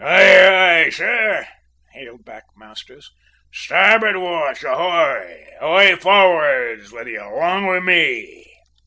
"Aye, aye, sir," hailed back Masters. "Starboard watch ahoy! Away forrads with you along o' me!"